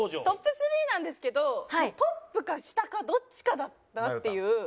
トップ３なんですけどトップか下かどっちかだなっていう。